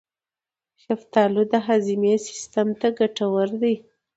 شفتالو د هاضمې سیستم ته ګټور دی.